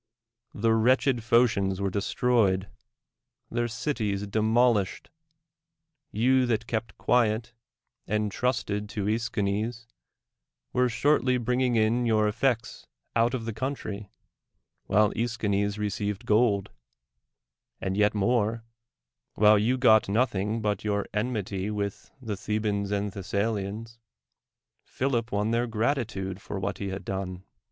The wretched Phoeians were destroyed, their cities demolished ; you that kept quiet, and trusted to ^Eschines, were shortly bringing in your efll'ec^s out of the country, while ^T^schines received gold: and yet more — while you got nothing but your enmity with the Thebans ami Thessalians, Philip won their gratitude for \\liat he had done.